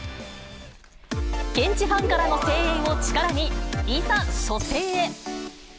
現地ファンからの声援を力に、いざ初戦へ。